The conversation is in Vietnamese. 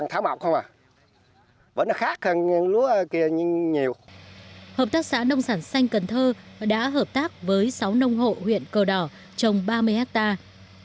hợp tác xã nông sản xanh cần thơ đã hợp tác với sáu nông hộ huyện cờ đỏ trồng ba mươi hectare